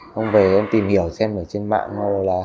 không về em tìm hiểu xem ở trên mạng